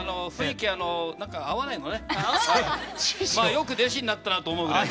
よく弟子になったなと思うぐらい。